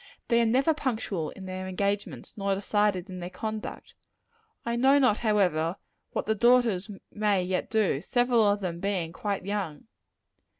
They are never punctual in their engagements, nor decided in their conduct. I know not, however, what the daughters may yet do several of them being quite young.